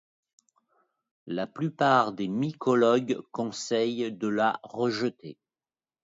La plupart des mycologues conseillent de la rejeter.